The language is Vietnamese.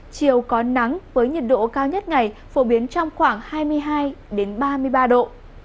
chiều có nắng với nhiệt độ cao nhất ngày phổ biến trong khoảng hai mươi hai ba mươi ba độ